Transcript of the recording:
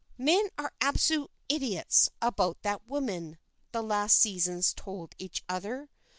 "Men are absolute idiots about that woman," the last seasons told each other.